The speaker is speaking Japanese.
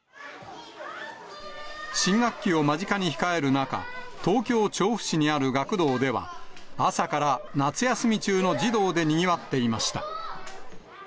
新学期を間近に控える中、東京・調布市にある学童では、朝から夏休み中の児童でにぎわっていました。